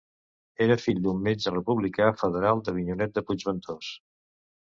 Era fill d'un metge republicà federal d'Avinyonet de Puigventós.